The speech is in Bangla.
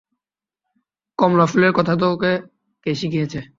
কমলা ফুলের কথা তোকে কে শিখিয়েছে?